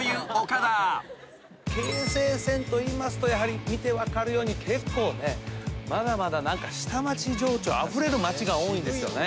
京成線といいますとやはり見て分かるように結構まだまだ下町情緒あふれる町が多いんですよね。